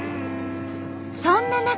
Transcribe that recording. そんな中。